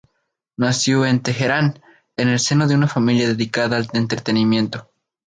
Nació en Teherán en el seno de una familia dedicada al entretenimiento.